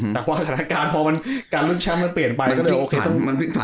แต่พอสถานการณ์พอมันการลุ้นแชมป์มันเปลี่ยนไปก็เลยโอเค